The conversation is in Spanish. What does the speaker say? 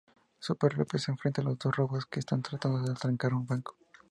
Superlópez se enfrenta a dos robots que están tratando de atracar un banco.